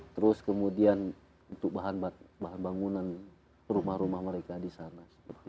terus kemudian untuk bahan bangunan rumah rumah mereka di sana